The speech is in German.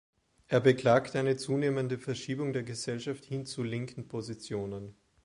Er beklagte eine zunehmende Verschiebung der Gesellschaft hin zu linken Positionen.